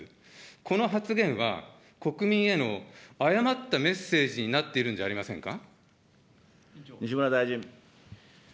この発言は国民への誤ったメッセージになっているんじゃありませ西村大臣。